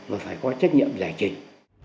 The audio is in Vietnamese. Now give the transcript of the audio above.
và phải có trách nhiệm giải trình